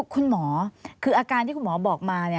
คุณหมอคืออาการที่คุณหมอบอกมา